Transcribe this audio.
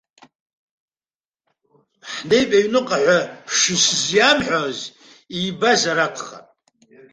Ҳнеип аҩныҟа ҳәа шсызиамҳәоз ибазаракәхап.